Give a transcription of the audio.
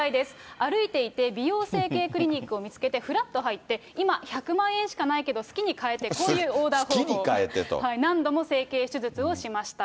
歩いていて美容整形クリニックを見つけてふらっと入って、今１００万円しかないけど好きに変えて、こういうオーダーを何度も整形手術をしました。